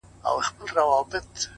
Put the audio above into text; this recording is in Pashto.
o د ظالم لور،